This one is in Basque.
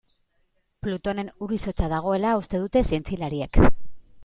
Plutonen ur-izotza dagoela uste dute zientzialariek.